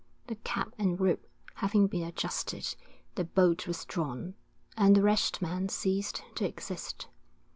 The cap and rope having been adjusted, the bolt was drawn, and the wretched man ceased to exist.